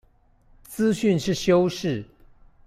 資訊是修飾